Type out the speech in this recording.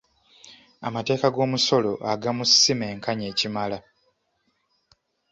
Amateeka g'omusolo agamu si menkanya kimala.